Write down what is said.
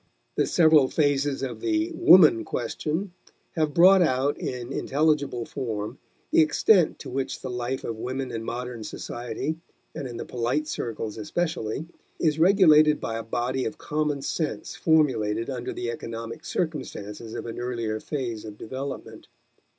The several phases of the "woman question" have brought out in intelligible form the extent to which the life of women in modern society, and in the polite circles especially, is regulated by a body of common sense formulated under the economic circumstances of an earlier phase of development.